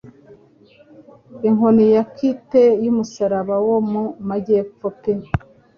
inkoni ya kite y'umusaraba wo mu majyepfo pe